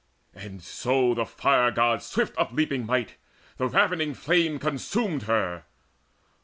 And so the Fire god's swift upleaping might, The ravening flame, consumed her.